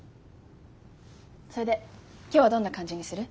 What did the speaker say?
それで今日はどんな感じにする？